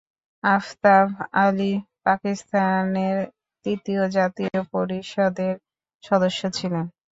আফতাব আলী পাকিস্তানের তৃতীয় জাতীয় পরিষদের সদস্য ছিলেন।